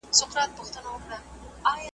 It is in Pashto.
په ککړو په مستیو په نارو سوه .